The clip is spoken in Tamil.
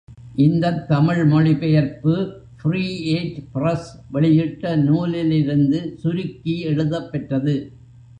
இந்தத் தமிழ் மொழிபெயர்ப்பு ப்ரீ ஏஜ் பிரஸ் வெளியிட்ட நூலிலிருந்து சுருக்கி எழுதப் பெற்றது.